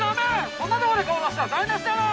そんなとこで顔だしたら台なしだろ！